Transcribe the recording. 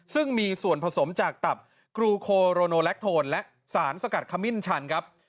ซึ่งมีส่วนผสมจากตับกรูโคโรโนแลคโทนและสารสกัดขมิ้นชันครับ